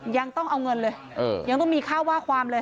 ยังต้องเอาเงินเลยยังต้องมีค่าว่าความเลย